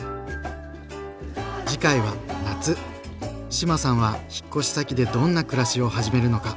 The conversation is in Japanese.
志麻さんは引っ越し先でどんな暮らしを始めるのか。